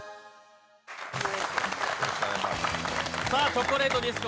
「チョコレイト・ディスコ」